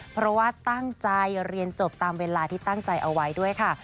เพราะว่าตั้งใจเรียนจบตามเวลาที่ตั้งใจเอาไว้ด้วยค่ะ